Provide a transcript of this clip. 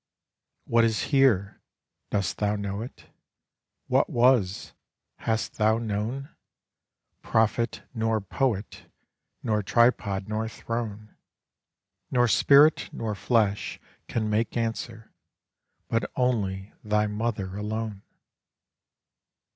What is here, dost thou know it? What was, hast thou known? Prophet nor poet Nor tripod nor throne Nor spirit nor flesh can make answer, but only thy mother alone.